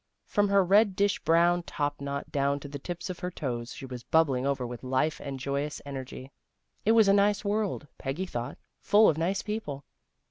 From her red dish brown top knot down to the tips of her toes she was bubbling over with life and joyous energy. It was a nice world, Peggy thought, full of nice people.